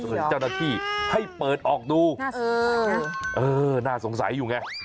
หรือเจ้าหน้าที่ให้เปิดออกดูน่าสงสัยนะเออน่าสงสัยอยู่ไง